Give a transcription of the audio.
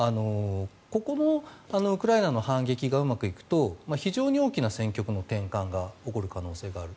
ここのウクライナの反撃がうまくいくと非常に大きな戦局の転換が起きる可能性がある。